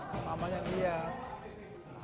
karena namanya dia